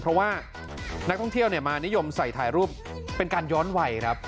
เพราะว่านักท่องเที่ยวมานิยมใส่ถ่ายรูปเป็นการย้อนวัยครับ